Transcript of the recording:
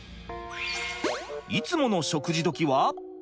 いつもの食事どきは？